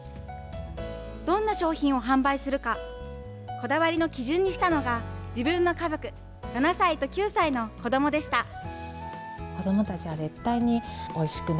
どんな商品を販売するか、こだわりの基準にしたのが、自分の家族、７歳と９歳の子どもでした。